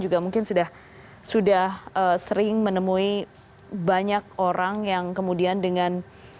juga mungkin sudah sering menemui banyak orang yang kemudian dengan